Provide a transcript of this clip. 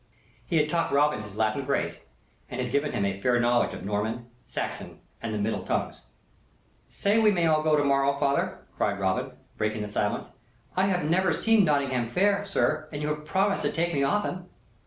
He had taught Robin his Latin grace, and had given him a fair knowledge of Norman, Saxon, and the middle tongues. "Say that we all may go to morrow, father," cried Robin, breaking the silence. "I have never seen Nottingham Fair, sir, and you have promised to take me often."